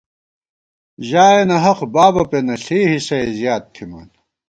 ژایَنہ حق بابہ پېنہ ، ݪے حِصئے زیات تھِمان